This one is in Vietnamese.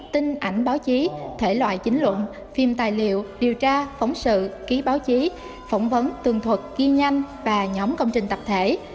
tin ảnh báo chí thể loại chính luận phim tài liệu điều tra phóng sự ký báo chí phỏng vấn tường thuật ghi nhanh và nhóm công trình tập thể